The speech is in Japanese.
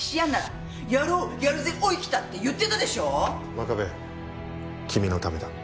真壁君のためだ。